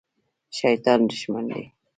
شیطان دښمن دی